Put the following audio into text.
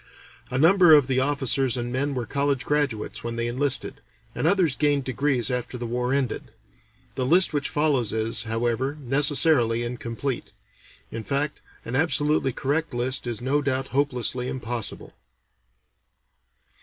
A number of the officers and men were college graduates when they enlisted, and others gained degrees after the war ended; the list which follows is, however, necessarily incomplete; in fact, an absolutely correct list is no doubt hopelessly impossible.